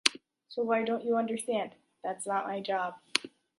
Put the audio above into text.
So why don't you understand? That's not my job.